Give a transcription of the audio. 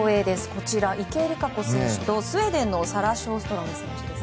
こちら、池江璃花子選手とスウェーデンのサラ・ショーストロム選手です。